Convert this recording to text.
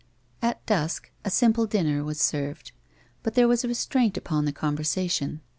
At dusk a simple dinner was served, but there was a re straiut upon the conversation.